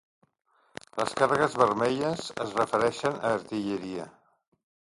Les càrregues vermelles es refereixen a artilleria.